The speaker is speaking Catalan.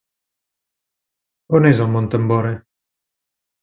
On és el Mont Tambora?